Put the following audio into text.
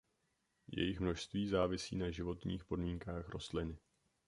Jejich množství závisí na životních podmínkách rostliny.